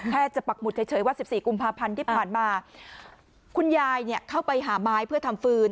จะปักหุดเฉยว่า๑๔กุมภาพันธ์ที่ผ่านมาคุณยายเนี่ยเข้าไปหาไม้เพื่อทำฟืน